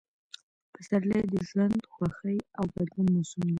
پسرلی – د ژوند، خوښۍ او بدلون موسم